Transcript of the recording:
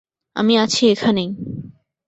আমি আছি এখানেই।